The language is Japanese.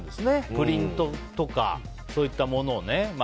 プリントとかそういったものをね。